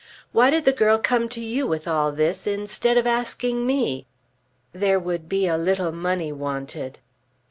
Why did the girl come to you with all this instead of asking me?" "There would be a little money wanted."